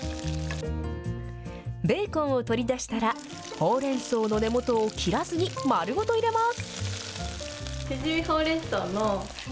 ベーコンを取り出したら、ほうれんそうの根元を切らずに丸ごと入れます。